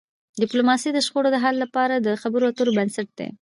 ډيپلوماسي د شخړو د حل لپاره د خبرو اترو بنسټ دی.